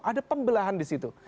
ada pembelahan di situ